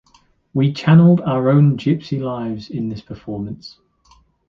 We channeled our own Gypsy lives in this performance.